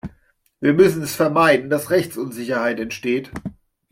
Wir müssen es vermeiden, dass Rechtsunsicherheit entsteht.